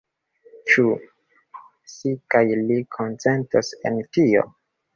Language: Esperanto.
Ĉu si kaj li konsentos en tio?